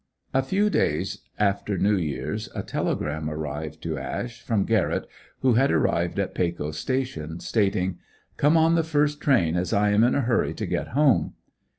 A few days after New Years a telegram came to Ash, from Garrett who had arrived at Pecos Station stating: "Come on the first train as I am in a hurry to get home."